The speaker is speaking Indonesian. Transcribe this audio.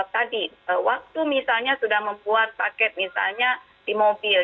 tadi waktu misalnya sudah membuat paket misalnya di mobil